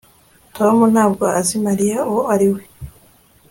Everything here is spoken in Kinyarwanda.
Tom ntabwo azi Mariya uwo ari we